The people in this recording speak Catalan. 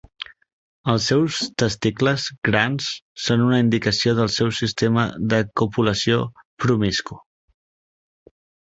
Els seus testicles grans són una indicació del seu sistema de copulació promiscu.